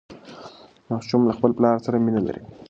ماشوم له خپل پلار سره مینه لري.